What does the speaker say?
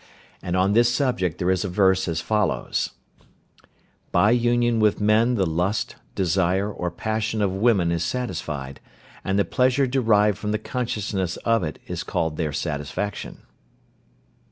And on this subject there is a verse as follows: "By union with men the lust, desire, or passion of women is satisfied, and the pleasure derived from the consciousness of it is called their satisfaction."